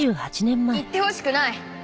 行ってほしくない。